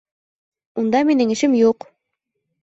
Унда минең эшем юҡ!